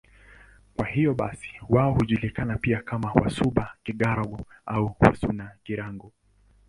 Kwa hiyo basi wao hujulikana pia kama Wasuba-Girango au Wasuna-Girango.